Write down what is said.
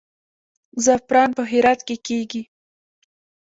زعفران په هرات کې کیږي